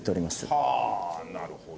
はあなるほど。